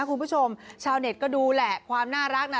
คุณผู้ชมชาวเน็ตก็ดูแหละความน่ารักน่ะ